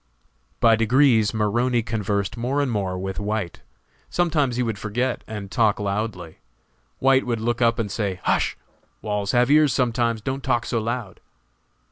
By degrees Maroney conversed more and more with White; sometimes he would forget and talk loudly. White would look up and say, "Hush! walls have ears sometimes, don't talk so loud."